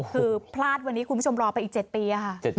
คือพลาดวันนี้คุณผู้ชมรอไปอีก๗ปีค่ะ